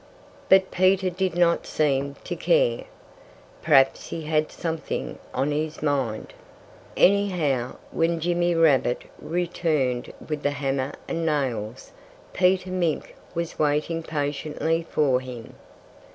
But Peter did not seem to care. Perhaps he had something on his mind. Anyhow, when Jimmy Rabbit returned with the hammer and nails, Peter Mink was waiting patiently for him.